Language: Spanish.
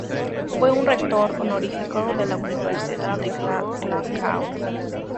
Fue Rector Honorífico de la Universidad de Glasgow.